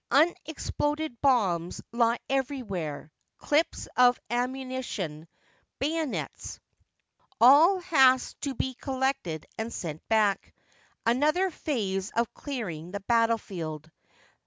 Unexploded bombs lie everywhere, clips of ammunition, bayonets. All has to be collected and sent back — another phase of clearing the battlefield.